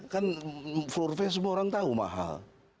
kan survei semua orang tahu mahal